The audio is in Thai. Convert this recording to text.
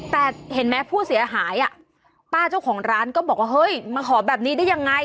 แต่เห็นไหมผู้เสียหายอ่ะป้าเจ้าของร้านก็บอกว่าเฮ้ยมาขอแบบนี้ได้ยังไง